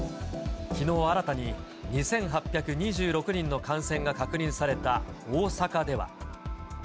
きのう新たに２８２６人の感染が確認された大阪では。